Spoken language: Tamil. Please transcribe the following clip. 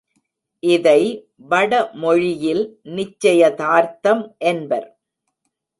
இதை வடமொழியில் நிச்சயதார்த்தம் என்பர்.